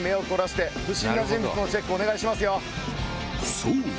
そう！